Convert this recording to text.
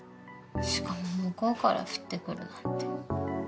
しかも向こうからふって来るなんて。